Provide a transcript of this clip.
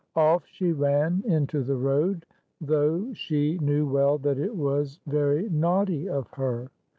Off she ran into the road, though she knew well that it was very naughty of her.